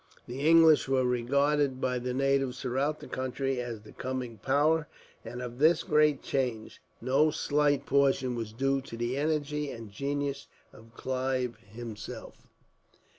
The English were regarded by the natives throughout the country as the coming power; and of this great change, no slight portion was due to the energy and genius of Clive, himself.